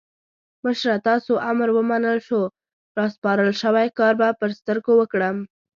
مشره تاسو امر ومنل شو؛ راسپارل شوی کار به پر سترګو وکړم.